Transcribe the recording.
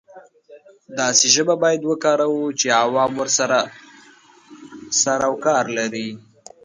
داسې ژبه باید وکاروو چې عوام ورسره سر او کار لري.